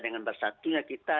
dengan bersatunya kita